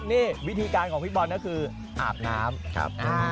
นี่วิธีการของพี่บอลก็คืออาบน้ำครับ